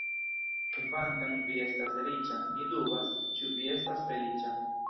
Kvankam vi estas riĉa, mi dubas, ĉu vi estas feliĉa.